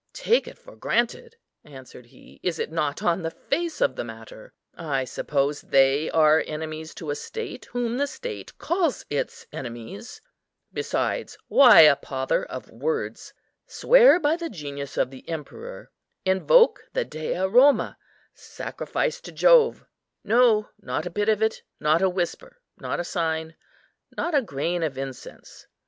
"Take it for granted!" answered he, "is it not on the face of the matter? I suppose they are enemies to a state, whom the state calls its enemies. Besides, why a pother of words? Swear by the genius of the emperor, invoke the Dea Roma, sacrifice to Jove; no, not a bit of it, not a whisper, not a sign, not a grain of incense.